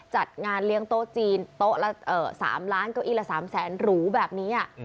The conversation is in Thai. จัดงานเลี้ยงโต๊ะจีนโต๊ะละ๓ล้านเก้าอี้ละ๓แสนหรูแบบนี้